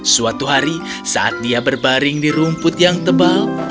suatu hari saat dia berbaring di rumput yang tebal